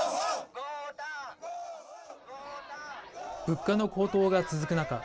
物価の高騰が続く中